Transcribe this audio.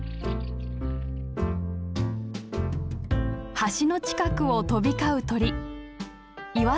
橋の近くを飛び交う鳥。